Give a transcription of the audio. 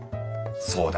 そうだ。